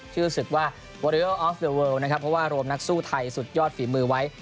ชื่อสึกว่านะครับเพราะว่ารวมนักสู้ไทยสุดยอดฝีมือไว้